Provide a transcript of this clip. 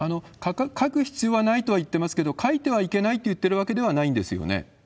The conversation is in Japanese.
書く必要はないと言っていますけれども、書いてはいけないと言ってるわけではないんですよね？